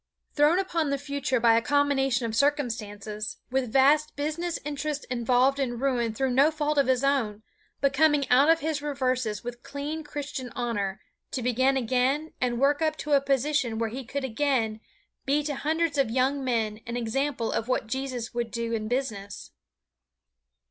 Thrown upon the future by a combination of circumstances, with vast business interests involved in ruin through no fault of his own, but coming out of his reverses with clean Christian honor, to begin again and work up to a position where he could again be to hundreds of young men an example of what Jesus would do in business.